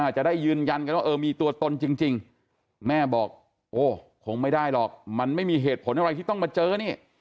จะได้ยืนยันกันว่าเออมีตัวตนจริงแม่บอกโอ้คงไม่ได้หรอกมันไม่มีเหตุผลอะไรที่ต้องมาเจอนี่